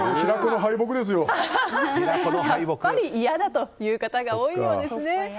やっぱり嫌だという方が多いようですね。